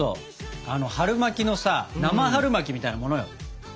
あの春巻きのさ生春巻きみたいなものよ。